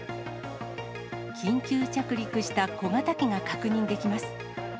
緊急着陸した小型機が確認できます。